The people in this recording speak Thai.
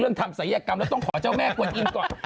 เรื่องทำสัญญากรรมต้องขอเจ้าแม่กวนอิมก่อน